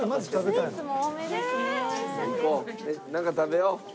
なんか食べよう。